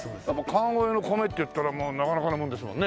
川越の米っていったらなかなかのものですもんね。